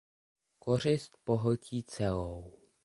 Kořist pohltí celou.